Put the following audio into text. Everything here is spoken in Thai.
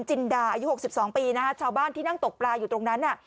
จินดาอายุ๖๒ปีนะฮะชาวบ้านที่นั่งตกปลาอยู่ตรงนั้นน่ะ